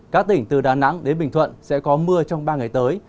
các tỉnh từ đà nẵng đến bình thuận sẽ có mưa trong ba ngày tới